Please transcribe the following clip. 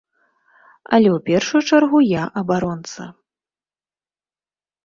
Але ў першую чаргу я абаронца.